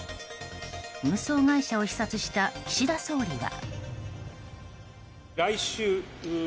運送会社を視察した岸田総理は。